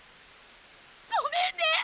ごめんね！